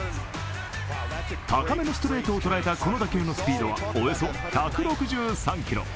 高めのストレートを捉えたこの打球のスピードはおよそ１６３キロ。